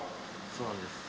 そうなんです。